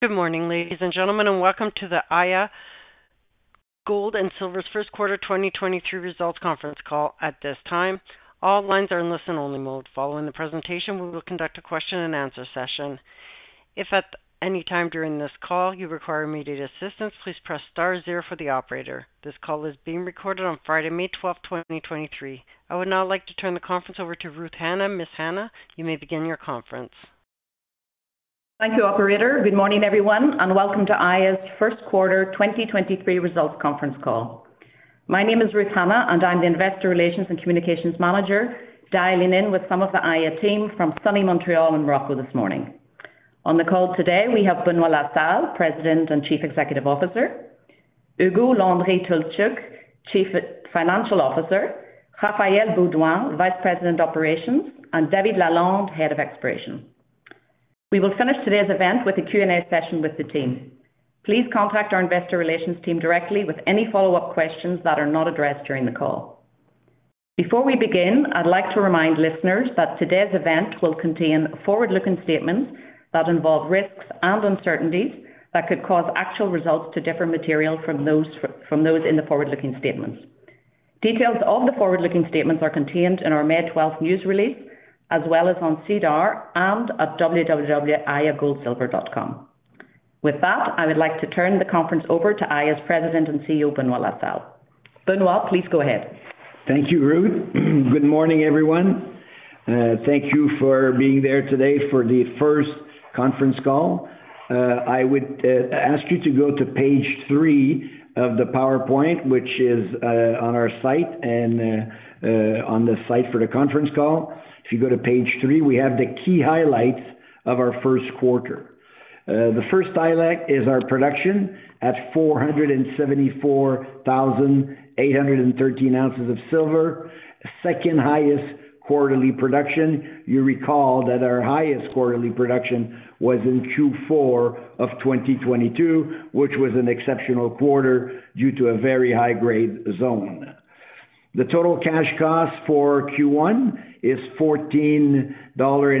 Good morning, ladies and gentlemen, and welcome to the Aya Gold & Silver's first quarter 2023 results conference call. At this time, all lines are in listen only mode. Following the presentation, we will conduct a question and answer session. If at any time during this call you require immediate assistance, please press star zero for the operator. This call is being recorded on Friday, May 12th, 2023. I would now like to turn the conference over to Ruth Hanna. Ms. Hanna, you may begin your conference. Thank you, operator. Good morning, everyone. Welcome to Aya's first quarter 2023 results conference call. My name is Ruth Hanna, I'm the investor relations and communications manager, dialing in with some of the Aya team from sunny Montreal and Morocco this morning. On the call today, we have Benoit La Salle, President and Chief Executive Officer, Ugo Landry-Tolszczuk, Chief Financial Officer, Raphaël Beaudoin, Vice-President, Operations, and David Lalonde, Head of Exploration. We will finish today's event with a Q&A session with the team. Please contact our investor relations team directly with any follow-up questions that are not addressed during the call. Before we begin, I'd like to remind listeners that today's event will contain forward-looking statements that involve risks and uncertainties that could cause actual results to differ material from those in the forward-looking statements. Details of the forward-looking statements are contained in our May twelfth news release, as well as on SEDAR and at www.ayagoldsilver.com. With that, I would like to turn the conference over to Aya's President and CEO, Benoit La Salle. Benoit, please go ahead. Thank you, Ruth. Good morning, everyone. Thank you for being there today for the first conference call. I would ask you to go to page three of the PowerPoint, which is on our site and on the site for the conference call. If you go to page three, we have the key highlights of our first quarter. The first highlight is our production at 474,813 ounces of silver. Second-highest quarterly production. You recall that our highest quarterly production was in Q4 of 2022, which was an exceptional quarter due to a very high-grade zone. The total cash cost for Q1 is 14.56 dollar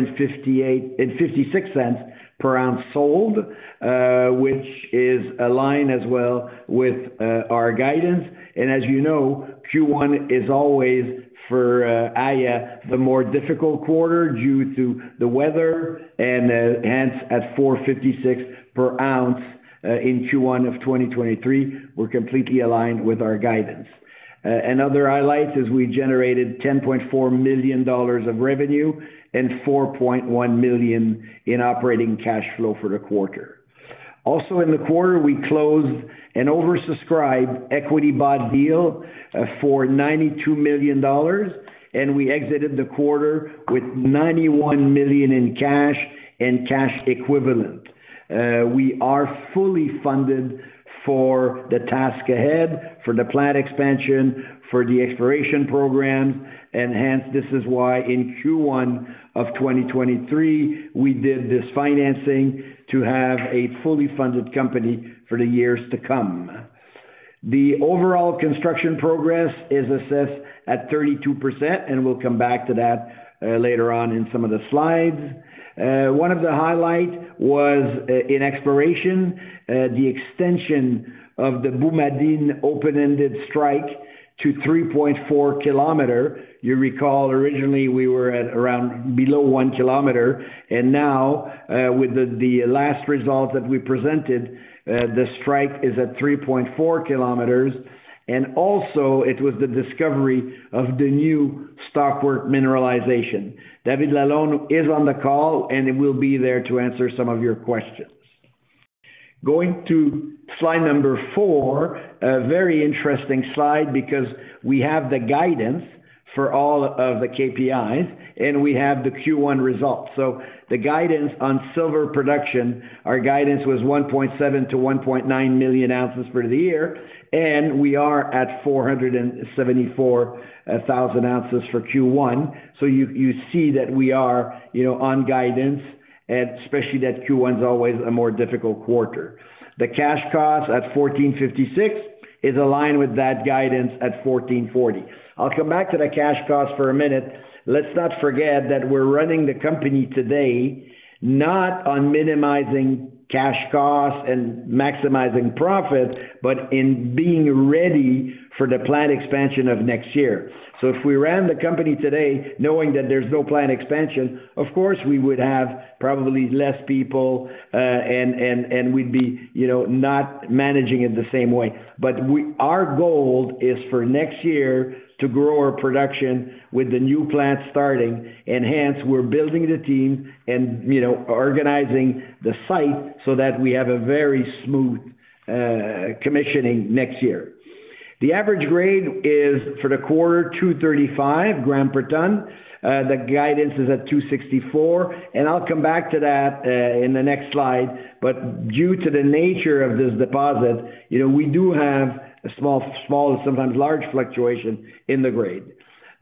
per ounce sold, which is aligned as well with our guidance. As you know, Q1 is always for Aya, the more difficult quarter due to the weather, hence at $4.56 per ounce in Q1 of 2023, we're completely aligned with our guidance. Another highlight is we generated $10.4 million of revenue and $4.1 million in operating cash flow for the quarter. Also in the quarter, we closed an oversubscribed equity buy deal for $92 million, and we exited the quarter with $91 million in cash and cash equivalent. We are fully funded for the task ahead, for the plant expansion, for the exploration program, hence, this is why in Q1 of 2023, we did this financing to have a fully funded company for the years to come. The overall construction progress is assessed at 32%. We'll come back to that later on in some of the slides. One of the highlight was in exploration, the extension of the Boumadine open-ended strike to 3.4 kilometer. You recall originally we were at around below one kilometer. Now, with the last result that we presented, the strike is at 3.4 kilometers. Also it was the discovery of the new stockwork mineralization. David Lalonde is on the call. He will be there to answer some of your questions. Going to slide number 4. A very interesting slide because we have the guidance for all of the KPIs and we have the Q1 results. The guidance on silver production, our guidance was 1.7 million-1.9 million ounces for the year, and we are at 474,000 ounces for Q1. You see that we are, you know, on guidance and especially that Q1 is always a more difficult quarter. The cash cost at 14.56 is aligned with that guidance at 14.40. I'll come back to the cash cost for a minute. Let's not forget that we're running the company today not on minimizing cash costs and maximizing profits, but in being ready for the plant expansion of next year. If we ran the company today knowing that there's no plant expansion, of course, we would have probably less people, and we'd be, you know, not managing it the same way. Our goal is for next year to grow our production with the new plant starting, and hence we're building the team and, you know, organizing the site so that we have a very smooth commissioning next year. The average grade is, for the quarter, 235 gram per ton. The guidance is at 264. I'll come back to that in the next slide. Due to the nature of this deposit, you know, we do have a small sometimes large fluctuation in the grade.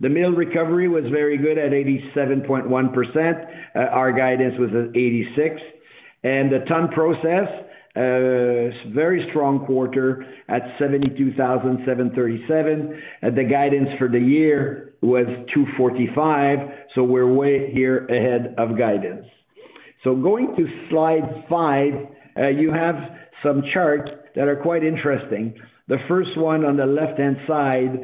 The mill recovery was very good at 87.1%. Our guidance was at 86. The ton process. Very strong quarter at 72,737. The guidance for the year was 245. We're way here ahead of guidance. Going to slide 5, you have some charts that are quite interesting. The first one on the left-hand side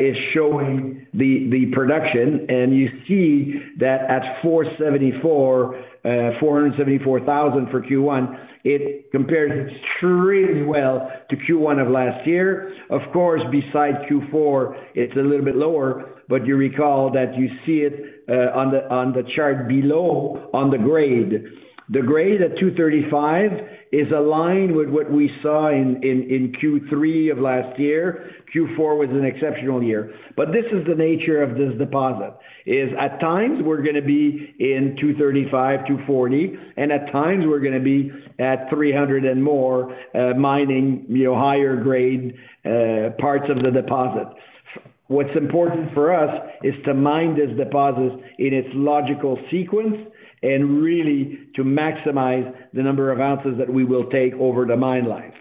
is showing the production, and you see that at 474,000 for Q1, it compares extremely well to Q1 of last year. Of course, beside Q4, it's a little bit lower. You recall that you see it on the chart below on the grade. The grade at 235 is aligned with what we saw in Q3 of last year. Q4 was an exceptional year. This is the nature of this deposit, is at times we're gonna be in 235, 240, and at times we're gonna be at 300 and more, mining, you know, higher grade parts of the deposit. What's important for us is to mine this deposit in its logical sequence and really to maximize the number of ounces that we will take over the mine life.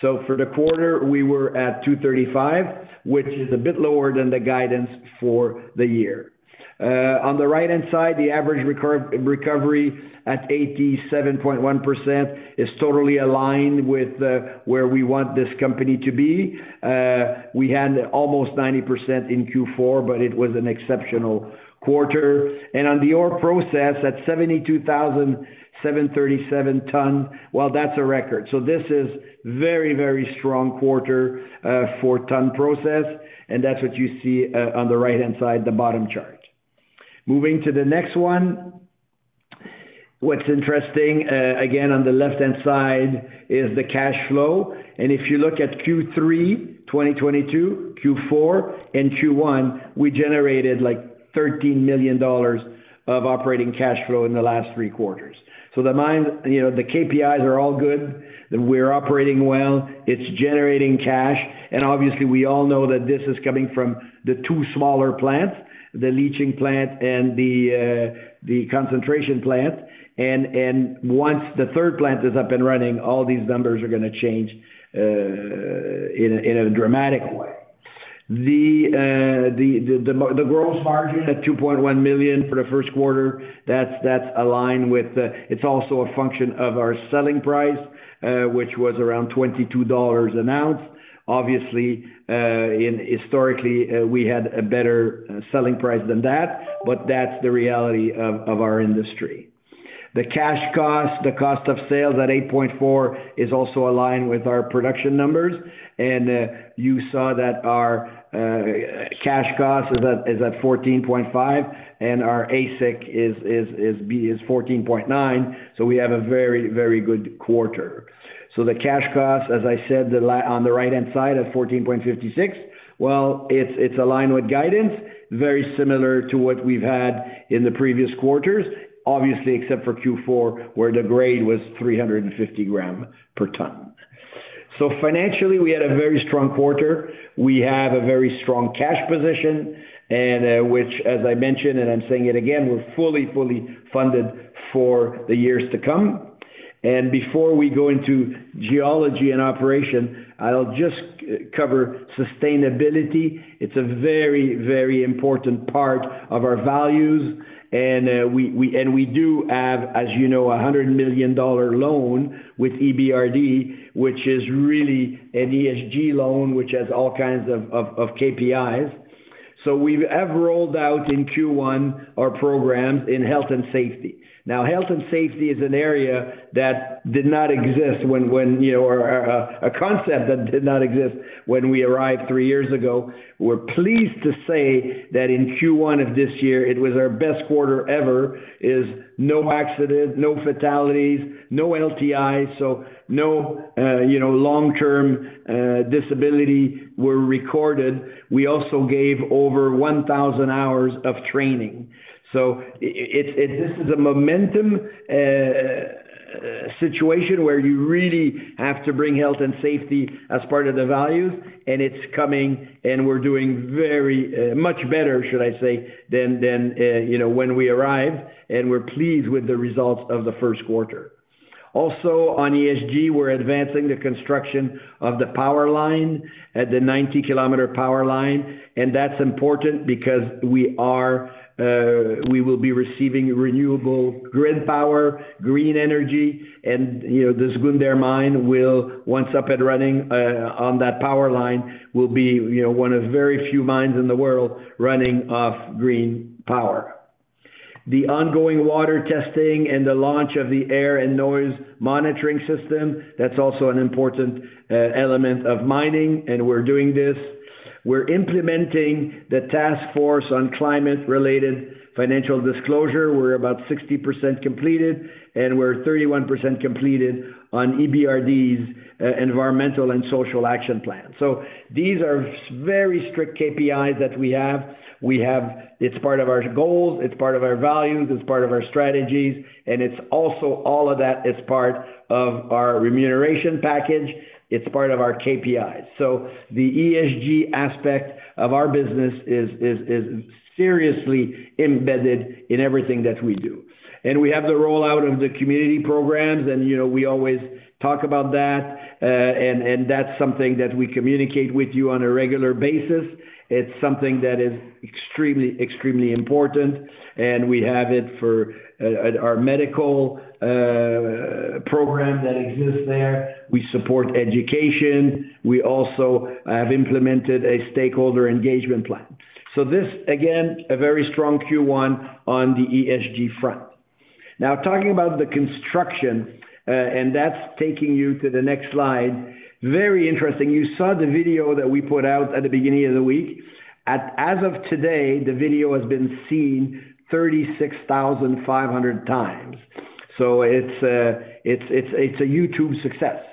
For the quarter, we were at 235, which is a bit lower than the guidance for the year. On the right-hand side, the average recovery at 87.1% is totally aligned with where we want this company to be. We had almost 90% in Q4, but it was an exceptional quarter. On the ore process, at 72,737 tons, well, that's a record. This is very strong quarter for ton process, and that's what you see on the right-hand side, the bottom chart. Moving to the next one. What's interesting, again, on the left-hand side is the cash flow. If you look at Q3 2022, Q4, and Q1, we generated, like, 13 million dollars of operating cash flow in the last three quarters. The mine, you know, the KPIs are all good. We're operating well. It's generating cash. Obviously, we all know that this is coming from the two smaller plants, the leaching plant and the concentration plant. Once the third plant is up and running, all these numbers are gonna change in a dramatic way. The gross margin at 2.1 million for the first quarter, that's aligned with the... It's also a function of our selling price, which was around 22 dollars an ounce. Obviously, historically, we had a better selling price than that, but that's the reality of our industry. The cash cost, the cost of sales at 8.4 is also aligned with our production numbers. You saw that our cash cost is at 14.5 and our AISC is 14.9, we have a very, very good quarter. The cash cost, as I said, on the right-hand side at 14.56, well, it's aligned with guidance, very similar to what we've had in the previous quarters, obviously, except for Q4, where the grade was 350 gram per ton. Financially, we had a very strong quarter. We have a very strong cash position, which, as I mentioned, and I'm saying it again, we're fully funded for the years to come. Before we go into geology and operation, I'll just cover sustainability. It's a very, very important part of our values. We do have, as you know, a $100 million loan with EBRD, which is really an ESG loan, which has all kinds of KPIs. We have rolled out in Q1 our programs in health and safety. Now, health and safety is an area that did not exist when, you know, or a concept that did not exist when we arrived three years ago. We're pleased to say that in Q1 of this year, it was our best quarter ever, is no accident, no fatalities, no LTIs. No, you know, long-term disability were recorded. We also gave over 1,000 hours of training. This is a momentum situation where you really have to bring health and safety as part of the values, and it's coming and we're doing very much better, should I say, than, you know, when we arrived, and we're pleased with the results of the first quarter. On ESG, we're advancing the construction of the power line, the 90-kilometer power line, and that's important because we are, we will be receiving renewable grid power, green energy. You know, the Zgounder Mine will, once up and running, on that power line, will be, you know, one of very few mines in the world running off green power. The ongoing water testing and the launch of the air and noise monitoring system, that's also an important element of mining, we're doing this. We're implementing the Task Force on Climate-related Financial Disclosures. We're about 60% completed, and we're 31% completed on EBRD's Environmental and Social Action Plan. These are very strict KPIs that we have. It's part of our goals, it's part of our values, it's part of our strategies, and it's also all of that is part of our remuneration package. It's part of our KPIs. The ESG aspect of our business is seriously embedded in everything that we do. We have the rollout of the community programs and, you know, we always talk about that. And that's something that we communicate with you on a regular basis. It's something that is extremely important, and we have it for our medical program that exists there. We support education. We also have implemented a stakeholder engagement plan. This, again, a very strong Q1 on the ESG front. Now, talking about the construction, that's taking you to the next slide. Very interesting. You saw the video that we put out at the beginning of the week. As of today, the video has been seen 36,500 times. It's a YouTube success.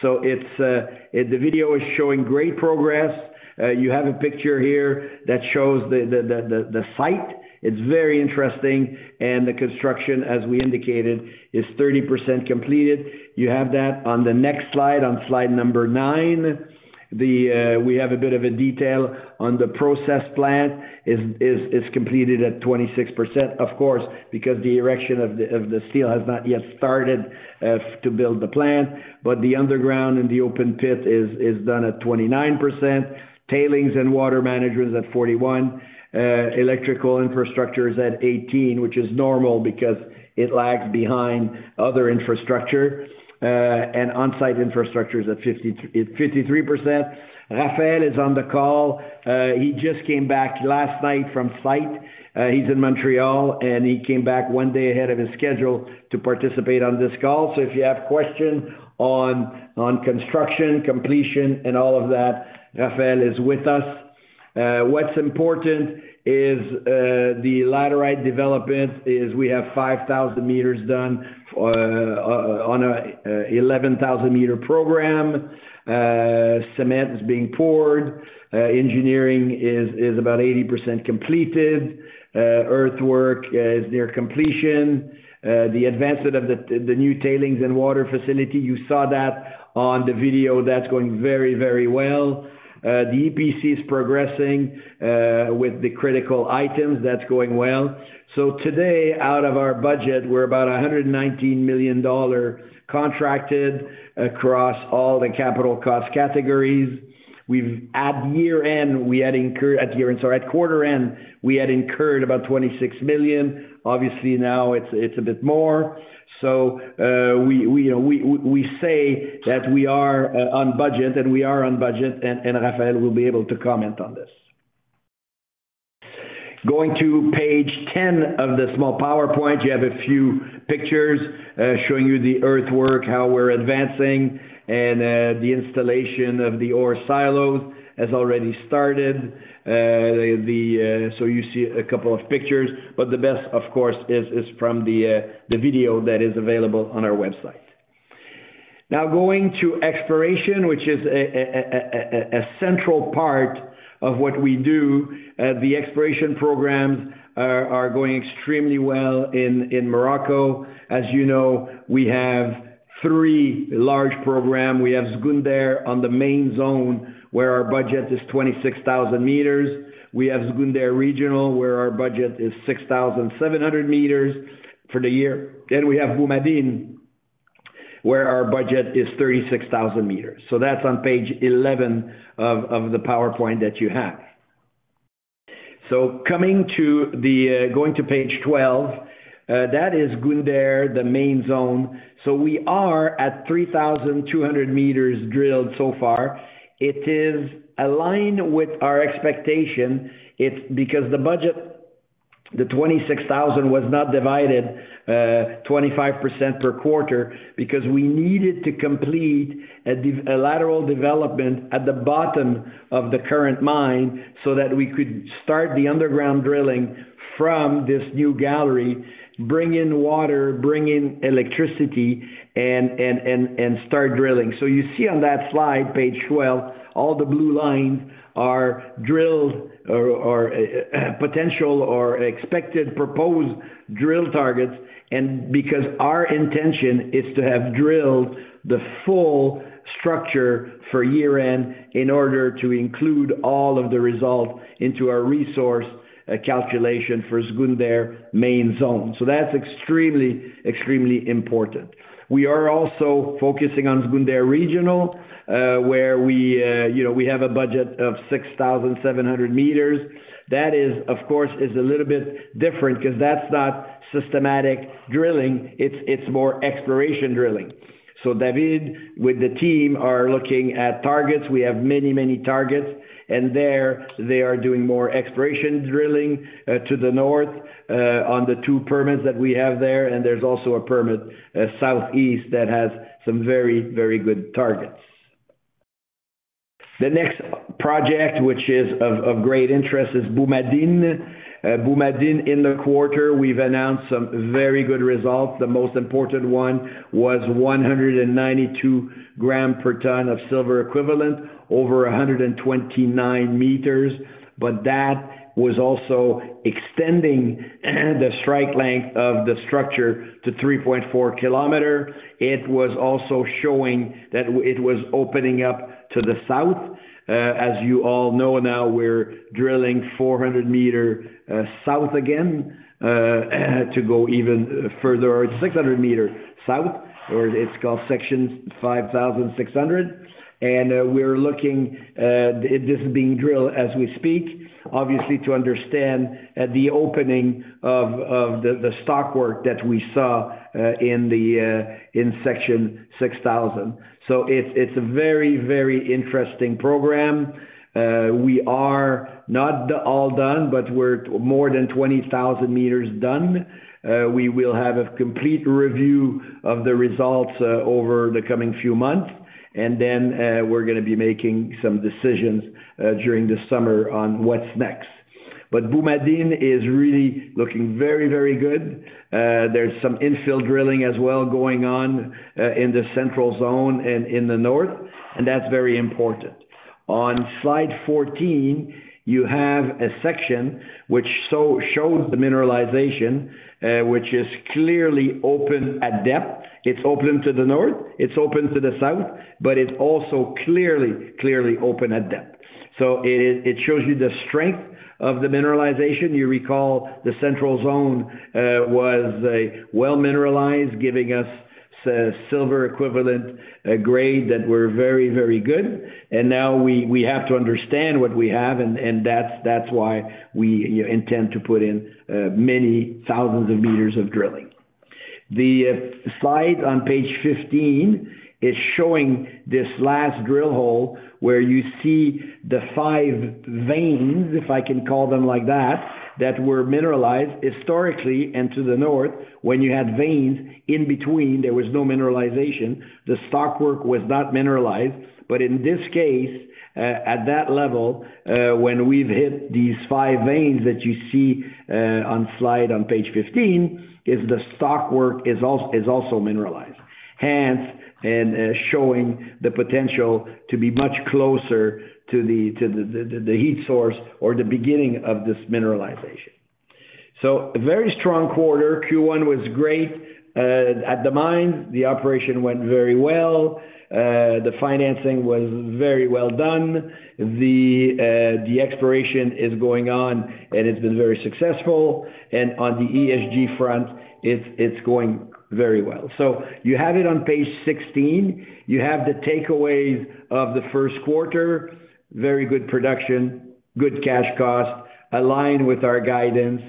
The video is showing great progress. You have a picture here that shows the site. It's very interesting, and the construction, as we indicated, is 30% completed. You have that on the next slide, on slide number nine. We have a bit of a detail on the process plant. It's completed at 26%, of course, because the erection of the steel has not yet started to build the plant. The underground and the open pit is done at 29%. Tailings and water management is at 41%. Electrical infrastructure is at 18%, which is normal because it lags behind other infrastructure. On-site infrastructure is at 53%. Raphaël is on the call. He just came back last night from site. He's in Montreal, and he came back one day ahead of his schedule to participate on this call. If you have questions on construction, completion, and all of that, Raphaël is with us. What's important is the laterite development is we have 5,000 meters done on a 11,000 meter program. Cement is being poured. Engineering is about 80% completed. Earthwork is near completion. The advancement of the new tailings and water facility, you saw that on the video. That's going very, very well. The EPC is progressing with the critical items. That's going well. Today, out of our budget, we're about 119 million dollar contracted across all the capital cost categories. At year-end, we had incurred at year-end, sorry. At quarter end, we had incurred about 26 million. Obviously, now it's a bit more. We say that we are on budget, and we are on budget, and Raphaël will be able to comment on this. Going to page 10 of the small PowerPoint, you have a few pictures showing you the earthwork, how we're advancing, and the installation of the ore silos has already started. The, you see a couple of pictures, but the best, of course, is from the video that is available on our website. Going to exploration, which is a central part of what we do. The exploration programs are going extremely well in Morocco. As you know, we have three large program. We have Zgounder on the main zone, where our budget is 26,000 meters. We have Zgounder Regional, where our budget is 6,700 meters for the year. We have Boumadine, where our budget is 36,000 meters. That's on page 11 of the PowerPoint that you have. Coming to the, going to page 12, that is Zgounder, the main zone. We are at 3,200 meters drilled so far. It is aligned with our expectation. It's because the budget, the 26,000, was not divided, 25% per quarter because we needed to complete a lateral development at the bottom of the current mine so that we could start the underground drilling from this new gallery, bring in water, bring in electricity, and start drilling. You see on that slide, page 12, all the blue lines are drilled or potential or expected proposed drill targets. Because our intention is to have drilled the full structure for year-end in order to include all of the results into our resource calculation for Zgounder main zone. That's extremely important. We are also focusing on Zgounder Regional, where we, you know, we have a budget of 6,700 meters. That is, of course, a little bit different 'cause that's not systematic drilling. It's more exploration drilling. David, with the team, are looking at targets. We have many, many targets. There, they are doing more exploration drilling to the north on the two permits that we have there. There's also a permit southeast that has some very, very good targets. The next project, which is of great interest, is Boumadine. Boumadine in the quarter, we've announced some very good results. The most important one was 192 gram per tonne of silver equivalent over 129 meters. That was also extending the strike length of the structure to 3.4 kilometer. It was also showing that it was opening up to the south. As you all know now, we're drilling 400 meter south again to go even further. 600 meter south, or it's called section 5,600. We're looking, this is being drilled as we speak, obviously, to understand the opening of the stockwork that we saw in section 6,000. It's a very, very interesting program. We are not all done, but we're more than 20,000 meters done. We will have a complete review of the results over the coming few months, then we're gonna be making some decisions during the summer on what's next. Boumadine is really looking very, very good. There's some infill drilling as well going on in the central zone and in the north, and that's very important. On slide 14, you have a section which shows the mineralization, which is clearly open at depth. It's open to the north, it's open to the south, but it's also clearly open at depth. It shows you the strength of the mineralization. You recall the central zone was well mineralized, giving us silver equivalent grade that were very, very good. Now we have to understand what we have, and that's why we, you know, intend to put in many thousands of meters of drilling. The slide on page 15 is showing this last drill hole where you see the five veins, if I can call them like that were mineralized. Historically, and to the north, when you had veins in between, there was no mineralization. The stockwork was not mineralized. In this case, at that level, when we've hit these five veins that you see on slide on page 15, is the stockwork is also mineralized, hence, showing the potential to be much closer to the, to the heat source or the beginning of this mineralization. A very strong quarter. Q1 was great. At the mine, the operation went very well. The financing was very well done. The exploration is going on, and it's been very successful. On the ESG front, it's going very well. You have it on page 16. You have the takeaways of the first quarter. Very good production, good cash cost, aligned with our guidance.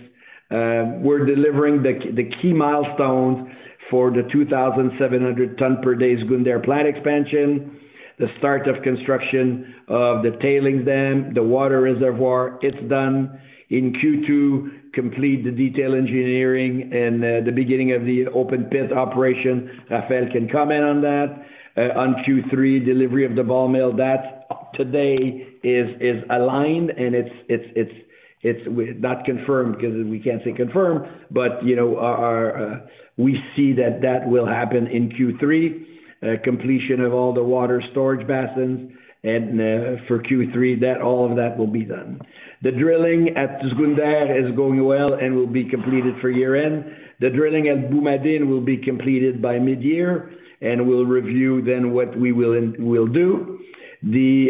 We're delivering the key milestones for the 2,700 ton per day Zgounder plant expansion. The start of construction of the tailings dam, the water reservoir, it's done. In Q2, complete the detail engineering and the beginning of the open pit operation. Raphaël can comment on that. On Q3, delivery of the ball mill. That today is aligned, and it's not confirmed 'cause we can't say confirmed, but, you know, our... We see that that will happen in Q3. Completion of all the water storage basins and for Q3, all of that will be done. The drilling at Zgounder is going well and will be completed for year-end. The drilling at Boumadine will be completed by mid-year, and we'll review then what we will do. The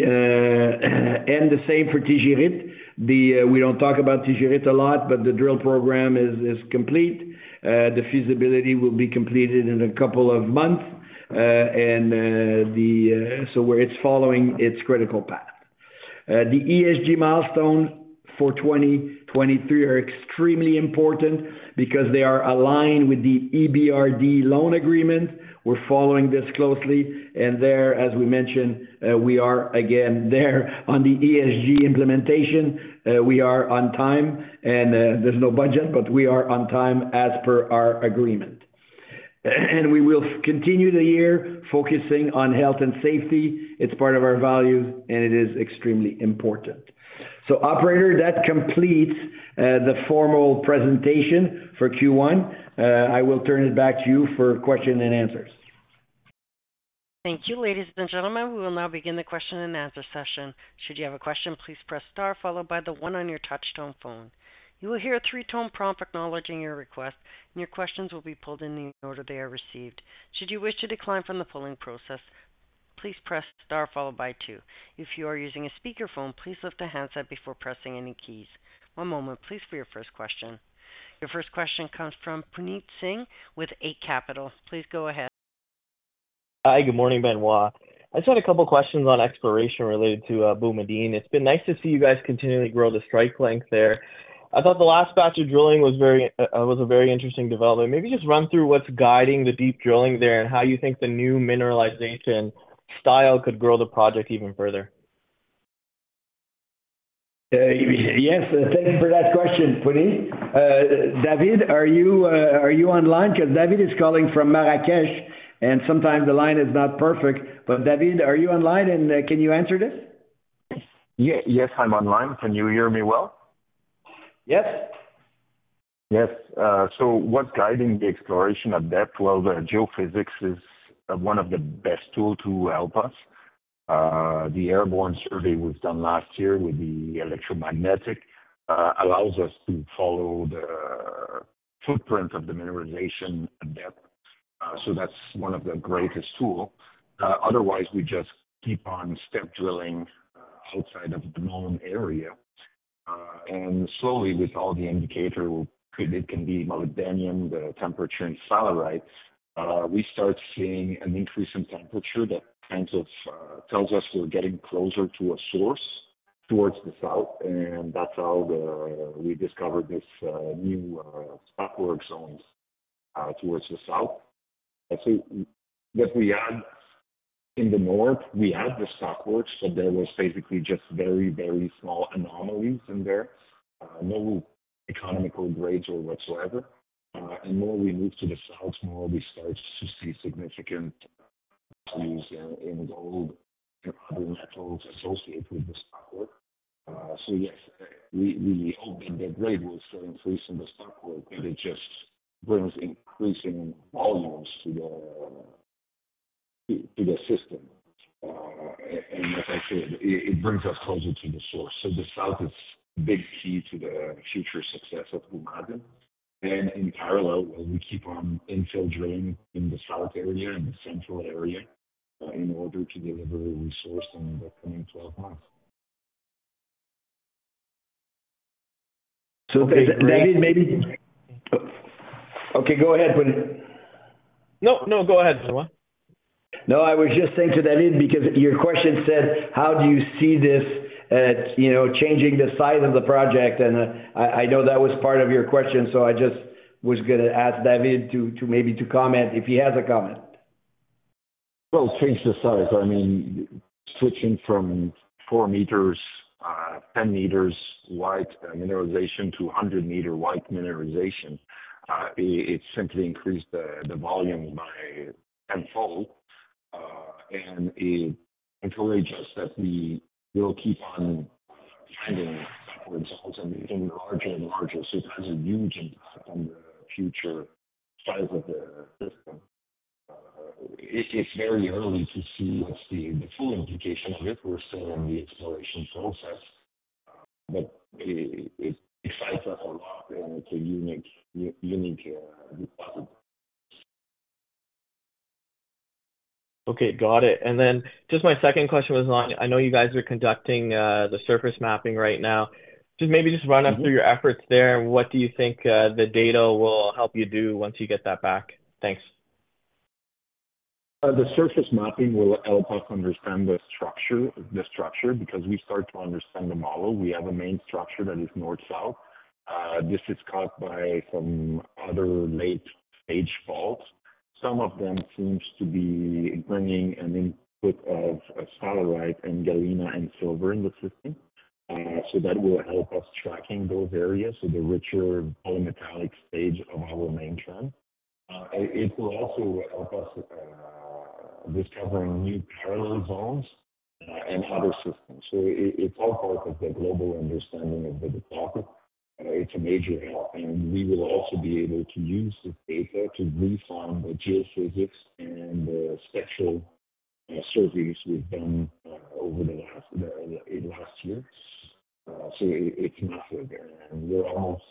same for Tijirit. We don't talk about Tijirit a lot, but the drill program is complete. The feasibility will be completed in a couple of months. It's following its critical path. The ESG milestones for 2023 are extremely important because they are aligned with the EBRD loan agreement. We're following this closely. There, as we mentioned, we are again there on the ESG implementation. We are on time, and there's no budget, but we are on time as per our agreement. We will continue the year focusing on health and safety. It's part of our values, and it is extremely important. Operator, that completes the formal presentation for Q1. I will turn it back to you for question and answers. Thank you. Ladies and gentlemen, we will now begin the question and answer session. Should you have a question, please press star followed by the one on your touchtone phone. You will hear a three-tone prompt acknowledging your request, and your questions will be pulled in the order they are received. Should you wish to decline from the pulling process, please press star followed by two. If you are using a speakerphone, please lift the handset before pressing any keys. One moment, please, for your first question. Your first question comes from Puneet Singh with Eight Capital. Please go ahead. Hi. Good morning, Benoit. I just had a couple questions on exploration related to Boumadine. It's been nice to see you guys continually grow the strike length there. I thought the last batch of drilling was a very interesting development. Maybe just run through what's guiding the deep drilling there and how you think the new mineralization style could grow the project even further. Yes, thank you for that question, Punit. David, are you online? 'Cause David is calling from Marrakech, and sometimes the line is not perfect. David, are you online and can you answer this? Yes, I'm online. Can you hear me well? Yes. Yes. What's guiding the exploration at depth? Well, the geophysics is one of the best tool to help us. The airborne survey we've done last year with the electromagnetic allows us to follow the footprint of the mineralization at depth. That's one of the greatest tool. Otherwise we just keep on step drilling outside of the known area. Slowly, with all the indicator, it can be molybdenum, the temperature and sphalerite, we start seeing an increase in temperature that kind of tells us we're getting closer to a source towards the south. That's how we discovered this new stockwork zones towards the south. Let's see. As we add in the north, we add the stockwork, there was basically just very, very small anomalies in there. No economical grades or whatsoever. The more we move to the south, more we start to see significant tools in gold and other metals associated with the stockwork. Yes, we hope that the grade will still increase in the stockwork, but it just brings increasing volumes to the system. As I said, it brings us closer to the source. The south is a big key to the future success of Boumadine. In parallel, we keep on infill drilling in the south area and the central area, in order to deliver a resource in the coming 12 months. David. Okay, great. Okay, go ahead, Punit. No, no, go ahead, Benoit. I was just saying to David, because your question said, how do you see this at, you know, changing the size of the project? I know that was part of your question, so I just was gonna ask David to maybe to comment if he has a comment. Well, change the size. I mean, switching from four meters, 10 meters wide mineralization to a 100 meter wide mineralization, it simply increased the volume by tenfold. It encourages us that we will keep on finding stockwork zones and getting larger and larger. It has a huge impact on the future size of the system. It's very early to see what's the full implication of it. We're still in the exploration process, but it excites us a lot and it's a unique deposit. Okay, got it. Then just my second question was on, I know you guys are conducting, the surface mapping right now. Maybe just run us through your efforts there? What do you think, the data will help you do once you get that back? Thanks. The surface mapping will help us understand the structure, because we start to understand the model. We have a main structure that is north-south. This is cut by some other late stage faults. Some of them seems to be bringing an input of sphalerite and galena and silver in the system. So that will help us tracking those areas. So the richer polymetallic stage of our main trend. It will also help us discovering new parallel zones and other systems. So it's all part of the global understanding of the deposit. It's a major help. We will also be able to use this data to refine the geophysics and the spectral surveys we've done over the last in last years. So it's massive. We're almost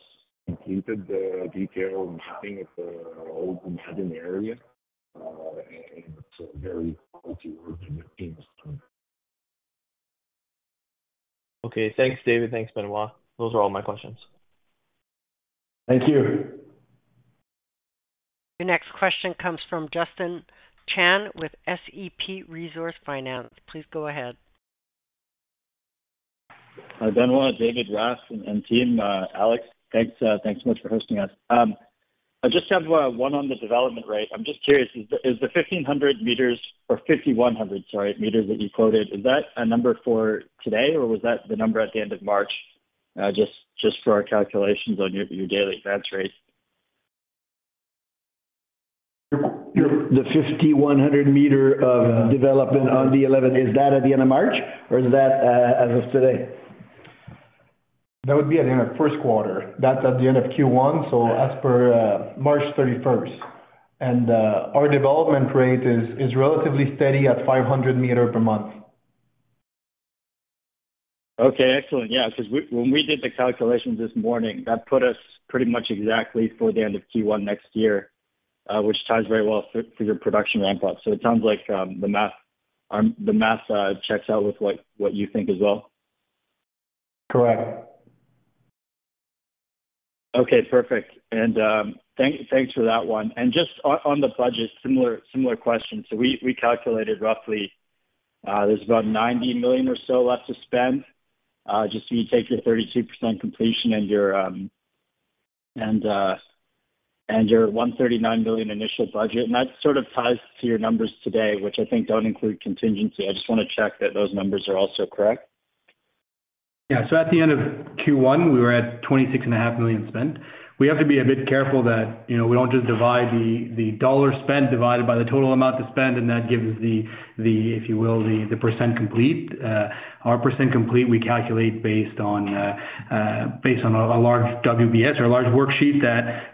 completed the detailed mapping of the whole Boumadine area, and it's a very quality work the team is doing. Okay, thanks, David. Thanks, Benoit. Those are all my questions. Thank you. Your next question comes from Justin Chan with SCP Resource Finance. Please go ahead. Hi, Benoit, David, Raf, and team, Alex. Thanks, thanks so much for hosting us. I just have one on the development rate. I'm just curious, is the 1,500 meters or 5,100, sorry, meters that you quoted, is that a number for today, or was that the number at the end of March, just for our calculations on your daily advance rate? The 5,100 m of development on the 11th, is that at the end of March or is that as of today? That would be at the end of first quarter. That's at the end of Q1. Right. As per, March 31st. Our development rate is relatively steady at 500 meters per month. Okay, excellent. Yeah, 'cause when we did the calculations this morning, that put us pretty much exactly for the end of Q1 next year, which ties very well for your production ramp up. It sounds like the math checks out with what you think as well. Correct. Okay, perfect. Thanks for that one. Just on the budget, similar question. We calculated roughly, there's about $90 million or so left to spend. Just so you take your 32% completion and your $139 million initial budget. That sort of ties to your numbers today, which I think don't include contingency. I just wanna check that those numbers are also correct. Yeah. At the end of Q1, we were at 26 and a half million spent. We have to be a bit careful that, you know, we don't just divide the CAD spent divided by the total amount to spend, and that gives the, if you will, the percent complete. Our percent complete we calculate based on a large WBS or a large worksheet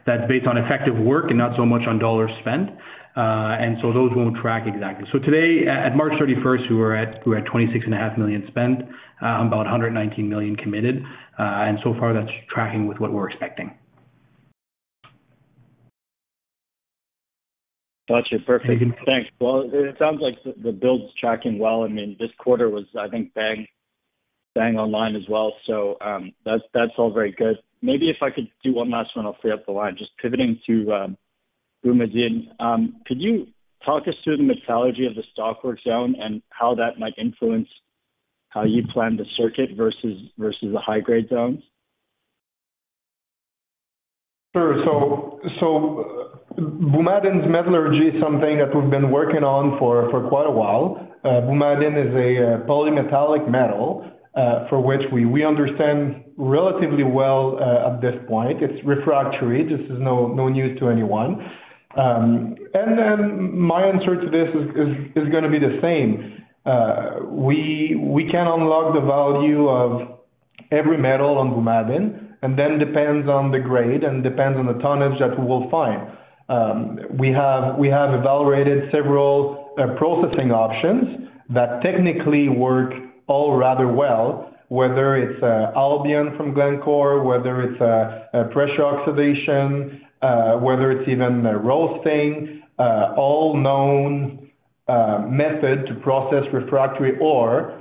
that's based on effective work and not so much on CAD spent. Those won't track exactly. Today, at March 31st, we were at 26 and a half million spent, about 119 million committed. Far, that's tracking with what we're expecting. Gotcha. Perfect. Thanks. It sounds like the build's tracking well. I mean, this quarter was, I think, bang online as well. That's all very good. Maybe if I could do one last one, I'll free up the line. Just pivoting to Boumadine. Could you talk us through the metallurgy of the stockwork zone and how that might influence how you plan the circuit versus the high-grade zones? Sure. Boumadine's metallurgy is something that we've been working on for quite a while. Boumadine is a polymetallic metal for which we understand relatively well at this point. It's refractory. This is no news to anyone. My answer to this is gonna be the same. We can unlock the value of every metal on Boumadine, depends on the grade and depends on the tonnage that we will find. We have evaluated several processing options that technically work all rather well, whether it's Albion from Glencore, whether it's a pressure oxidation, whether it's even roasting, all known method to process refractory ore,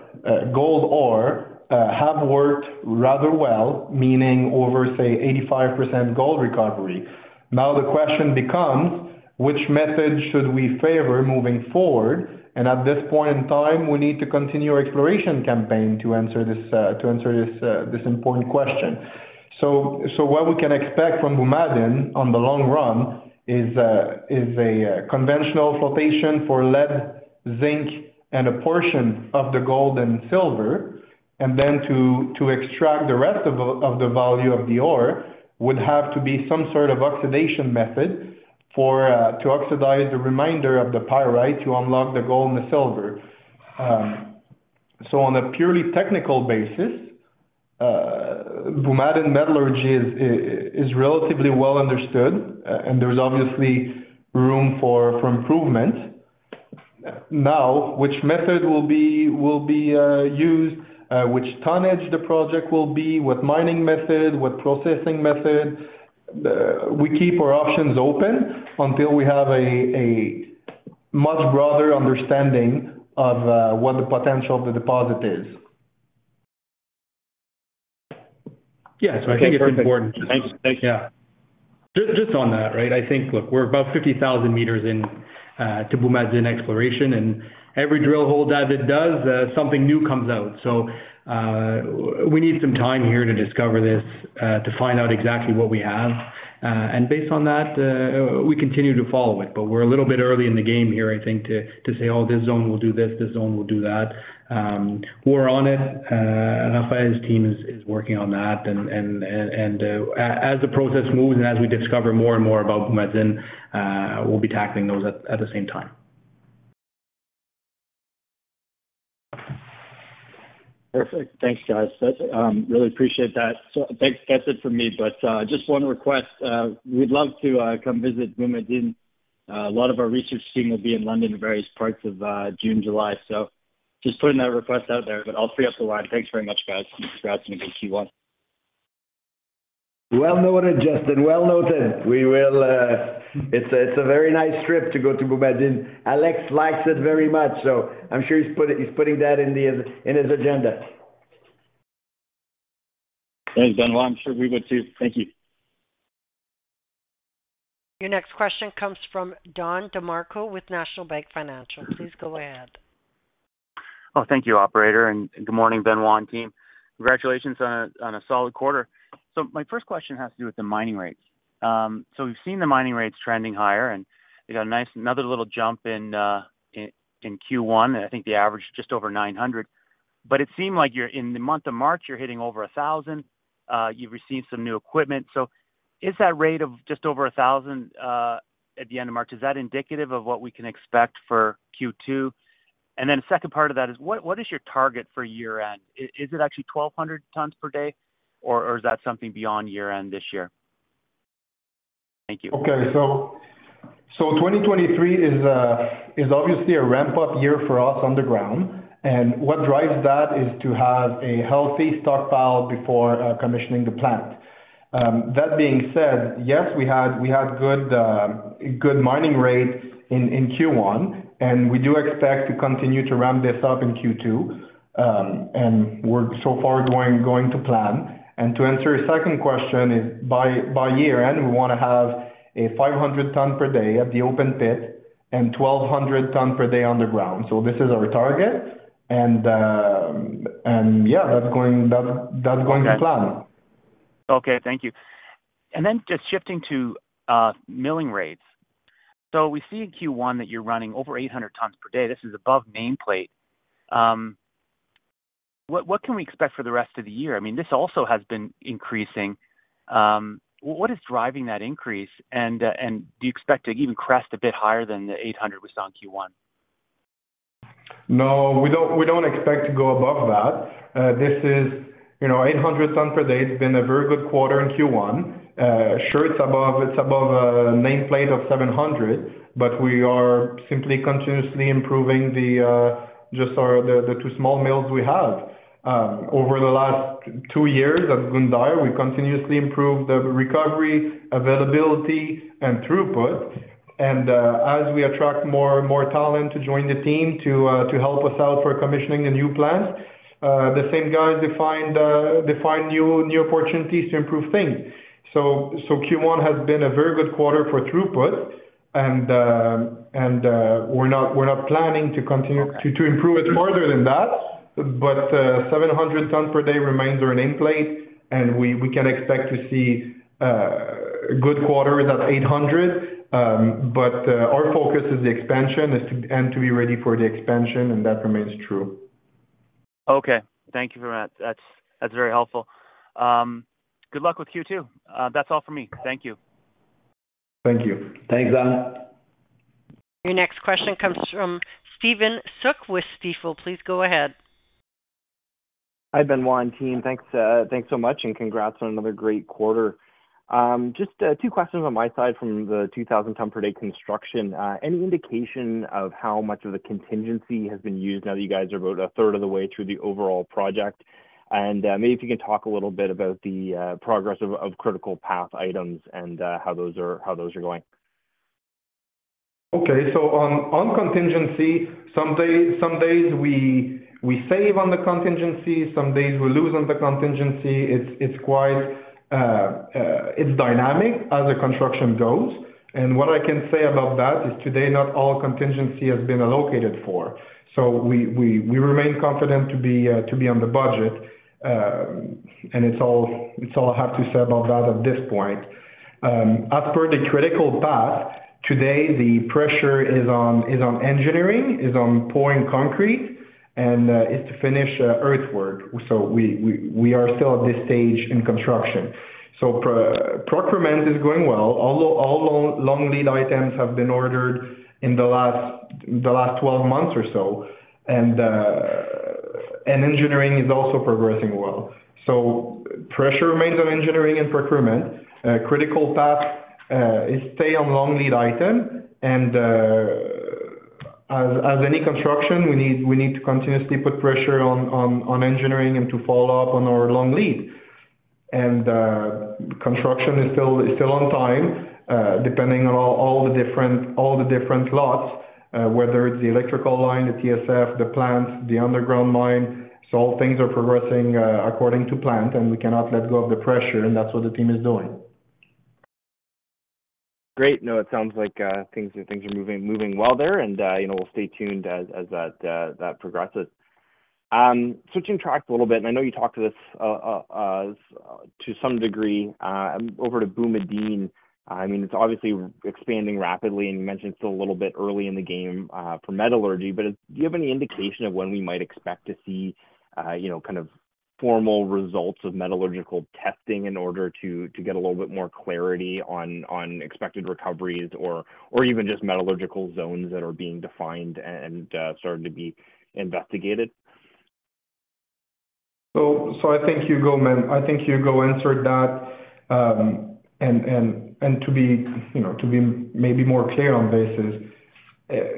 gold ore, have worked rather well, meaning over, say, 85% gold recovery. Now the question becomes which method should we favor moving forward? At this point in time, we need to continue our exploration campaign to answer this important question. What we can expect from Boumadine on the long run is a conventional flotation for lead, zinc, and a portion of the gold and silver. Then to extract the rest of the value of the ore would have to be some sort of oxidation method for to oxidize the remainder of the pyrite to unlock the gold and the silver. On a purely technical basis, Boumadine metallurgy is relatively well understood, and there's obviously room for improvement. Now, which method will be used, which tonnage the project will be, what mining method, what processing method, we keep our options open until we have a much broader understanding of what the potential of the deposit is. Yeah. Thanks. Thanks. Yeah. Just on that, right? I think, look, we're about 50,000 meters in to Boumadine exploration, and every drill hole as it does, something new comes out. We need some time here to discover this, to find out exactly what we have. And based on that, we continue to follow it. We're a little bit early in the game here, I think, to say, "Oh, this zone will do this zone will do that." We're on it. Raphaël's team is working on that. As the process moves and as we discover more and more about Boumadine, we'll be tackling those at the same time. Perfect. Thanks, guys. That's, really appreciate that. Thanks. That's it for me. Just one request. We'd love to come visit Boumadine. A lot of our research team will be in London in various parts of June, July. Just putting that request out there, but I'll free up the line. Thanks very much, guys, for having a good Q1. Well noted, Justin. Well noted. We will. It's a very nice trip to go to Boumadine. Alex likes it very much. I'm sure he's putting that in his agenda. Thanks, Benoit. I'm sure we would too. Thank you. Your next question comes from Don DeMarco with National Bank Financial. Please go ahead. Thank you, operator, and good morning, Benoit and team. Congratulations on a solid quarter. My first question has to do with the mining rates. We've seen the mining rates trending higher, and you got a nice, another little jump in Q1. I think the average just over 900. It seemed like you're in the month of March, you're hitting over 1,000. You've received some new equipment. Is that rate of just over 1,000 at the end of March, is that indicative of what we can expect for Q2? Second part of that is what is your target for year-end? Is it actually 1,200 tons per day, or is that something beyond year-end this year? Thank you. Okay. 2023 is obviously a ramp-up year for us on the ground. What drives that is to have a healthy stockpile before commissioning the plant. That being said, yes, we had good mining rates in Q1, and we do expect to continue to ramp this up in Q2. We're so far going to plan. To answer your second question is by year-end, we wanna have a 500 ton per day at the open pit and 1,200 ton per day underground. This is our target. Yeah, that's going to plan. Okay. Thank you. Then just shifting to milling rates. We see in Q1 that you're running over 800 tons per day. This is above nameplate. What can we expect for the rest of the year? I mean, this also has been increasing. What is driving that increase? Do you expect to even crest a bit higher than the 800 we saw in Q1? No, we don't expect to go above that. This is, you know, 800 ton per day. It's been a very good quarter in Q1. Sure, it's above nameplate of 700, but we are simply continuously improving the, just our, the two small mills we have. Over the last two years at Zgounder, we continuously improved the recovery, availability, and throughput. As we attract more talent to join the team to help us out for commissioning the new plant, the same guys, they find new opportunities to improve things. So Q1 has been a very good quarter for throughput and we're not planning to continue to improve it further than that. 700 ton per day remains our nameplate and we can expect to see good quarters at 800. Our focus is the expansion and to be ready for the expansion, and that remains true. Okay. Thank you for that. That's very helpful. Good luck with Q2. That's all for me. Thank you. Thank you. Thanks, Alan. Your next question comes from Steven Soock with Stifel. Please go ahead. Hi, Benoit and team. Thanks, thanks so much and congrats on another great quarter. Just two questions on my side from the 2,000 ton per day construction. Any indication of how much of the contingency has been used now that you guys are about a third of the way through the overall project? Maybe if you can talk a little bit about the progress of critical path items and how those are going. Okay. On contingency, some days we save on the contingency, some days we lose on the contingency. It's quite dynamic as the construction goes. What I can say about that is today, not all contingency has been allocated for. We remain confident to be on the budget. It's all I have to say about that at this point. As per the critical path, today, the pressure is on engineering, is on pouring concrete, and is to finish earthwork. We are still at this stage in construction. Procurement is going well. All long lead items have been ordered in the last 12 months or so. Engineering is also progressing well. Pressure remains on engineering and procurement. Critical path, stay on long lead item. As any construction we need, we need to continuously put pressure on engineering and to follow up on our long lead. Construction is still on time, depending on all the different lots, whether it's the electrical line, the TSF, the plants, the underground mine. Things are progressing, according to plan, and we cannot let go of the pressure, and that's what the team is doing. Great. No, it sounds like things are moving well there. You know, we'll stay tuned as that progresses. Switching tracks a little bit, and I know you talked to this to some degree over to Boumadine. I mean, it's obviously expanding rapidly, and you mentioned it's a little bit early in the game for metallurgy. Do you have any indication of when we might expect to see, you know, kind of formal results of metallurgical testing in order to get a little bit more clarity on expected recoveries or even just metallurgical zones that are being defined and starting to be investigated? I think Ugo answered that. To be, you know, to be maybe more clear on this is,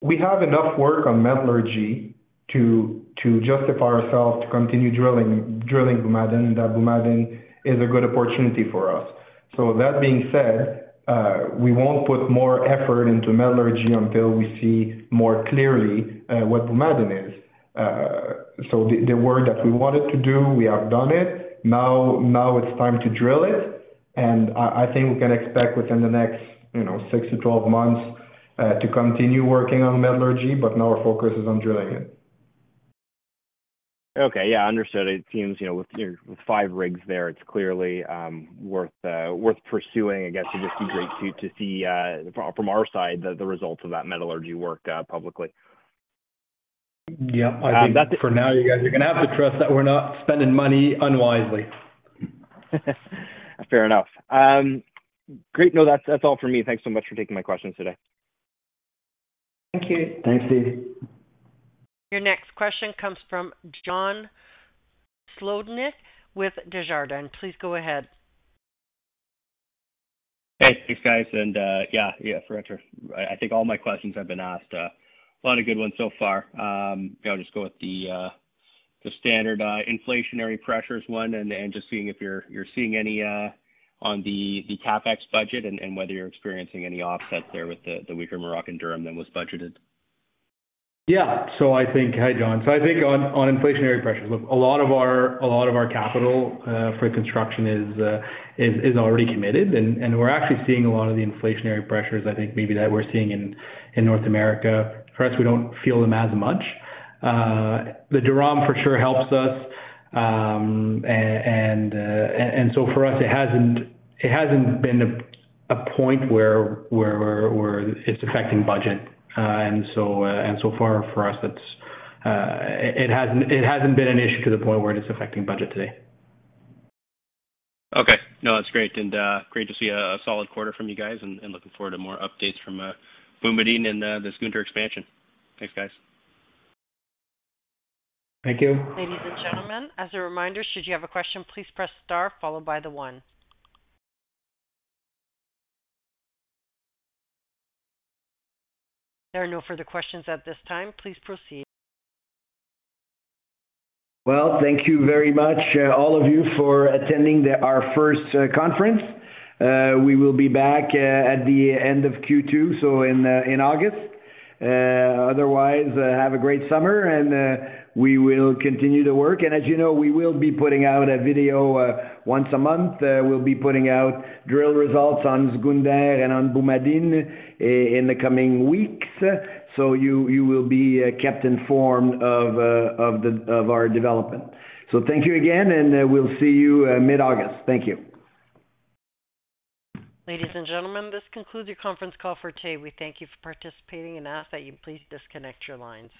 we have enough work on metallurgy to justify ourselves to continue drilling Boumadine, and that Boumadine is a good opportunity for us. With that being said, we won't put more effort into metallurgy until we see more clearly what Boumadine is. The work that we wanted to do, we have done it. Now it's time to drill it. I think we can expect within the next, you know, six to 12 months, to continue working on metallurgy, but now our focus is on drilling it. Okay. Yeah, understood. It seems, you know, with your five rigs there, it's clearly worth pursuing. I guess it'd just be great to see, from our side, the results of that metallurgy work, publicly. Yeah. I think for now you guys are gonna have to trust that we're not spending money unwisely. Fair enough. Great. No, that's all for me. Thanks so much for taking my questions today. Thank you. Thanks, Steve. Your next question comes from John Sclodnick with Desjardins. Please go ahead. Hey. Thanks, guys. Yeah, for intro. I think all my questions have been asked. A lot of good ones so far. Yeah, I'll just go with the standard inflationary pressures one and just seeing if you're seeing any on the CapEx budget and whether you're experiencing any offset there with the weaker Moroccan dirham than was budgeted. Yeah. Hey, John. I think on inflationary pressures, a lot of our capital for construction is already committed. We're actually seeing a lot of the inflationary pressures I think maybe that we're seeing in North America. For us, we don't feel them as much. The dirham for sure helps us. For us, it hasn't been a point where it's affecting budget. Far for us, it hasn't been an issue to the point where it's affecting budget today. Okay. No, that's great. Great to see a solid quarter from you guys, looking forward to more updates from Boumadine and the Zgounder expansion. Thanks, guys. Thank you. Ladies and gentlemen, as a reminder, should you have a question, please press star followed by the one. There are no further questions at this time. Please proceed. Well, thank you very much, all of you for attending our first conference. We will be back at the end of Q2, so in August. Otherwise, have a great summer and we will continue to work. As you know, we will be putting out a video once a month. We'll be putting out drill results on Zgounder and on Boumadine in the coming weeks. You will be kept informed of our development. Thank you again, we'll see you mid-August. Thank you. Ladies and gentlemen, this concludes your conference call for today. We thank you for participating and ask that you please disconnect your lines.